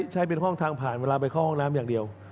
ใช้เป็นห้องทางผ่านเวลาไปเข้าห้องน้ำอย่างเดียว